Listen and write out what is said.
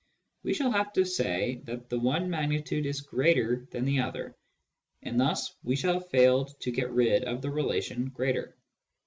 We shall have to say that the one magnitude is greater than the other, and thus we shall have failed to get rid of the relation "greater."